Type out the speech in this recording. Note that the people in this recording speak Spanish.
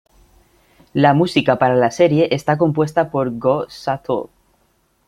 La música para la serie está compuesta por Gō Satō.